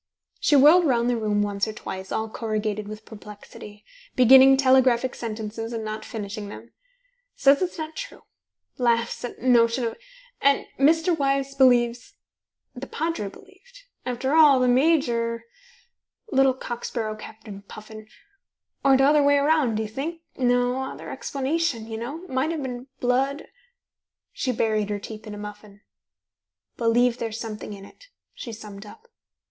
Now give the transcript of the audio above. She whirled round the room once or twice, all corrugated with perplexity, beginning telegraphic sentences, and not finishing them: "Says it's not true laughs at notion of And Mr. Wyse believes The Padre believed. After all, the Major Little cock sparrow Captain Puffin Or t'other way round, do you think? No other explanation, you know Might have been blood " She buried her teeth in a muffin. "Believe there's something in it," she summed up.